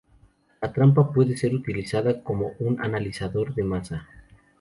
La trampa puede ser utilizada como un analizador de masa.